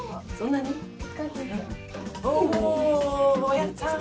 やった！